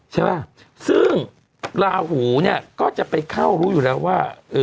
ใช่ป่ะซึ่งลาหูเนี่ยก็จะไปเข้ารู้อยู่แล้วว่า